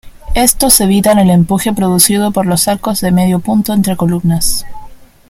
Estos evitan el empuje producido por los arcos de medio punto entre columnas.